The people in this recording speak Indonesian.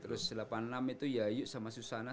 terus delapan puluh enam itu yayu sama susana